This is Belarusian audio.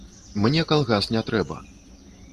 Мне калгас не трэба.